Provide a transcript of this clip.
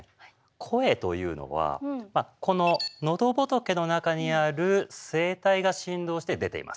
声というのはこののどぼとけの中にある声帯が振動して出ています。